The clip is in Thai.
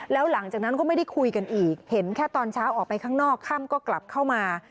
แล้วหลังจากนั้นก็ไม่ได้คุยกันอีกเห็นแค่ตอนเช้าออกไปข้างนอกค่ำก็กลับเข้ามา